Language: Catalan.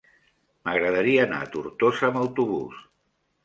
M'agradaria anar a Tortosa amb autobús.